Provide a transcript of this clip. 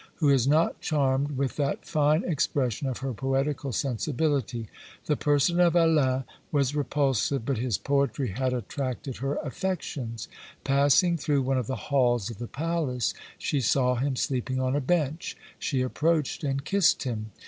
Who is not charmed with that fine expression of her poetical sensibility? The person of Alain was repulsive, but his poetry had attracted her affections. Passing through one of the halls of the palace, she saw him sleeping on a bench; she approached and kissed him.